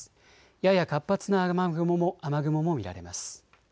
やや活発な雨雲も見られます。